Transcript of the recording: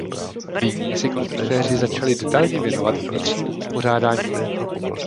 Nyní se konstruktéři začali detailně věnovat vnitřnímu uspořádání lodi.